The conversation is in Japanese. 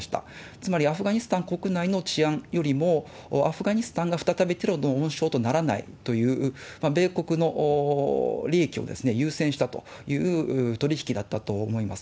つまりアフガニスタン国内の治安よりも、アフガニスタンが再びテロの温床とならないという米国の利益を優先したという取り引きだったと思います。